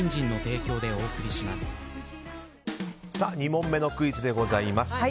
２問目のクイズでございます。